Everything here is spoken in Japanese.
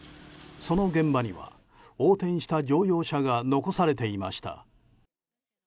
その現場には横転した乗用車が残されていました。